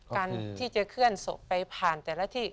การที่จะเคลื่อนศพไปผ่านแต่ละที่